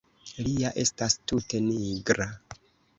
Li ja estas tute nigra!